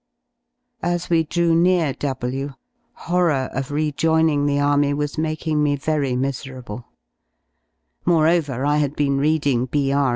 rAs we drew near W , horror of rejoining the Army was making me very miserable; moreover, I had been reading B. R.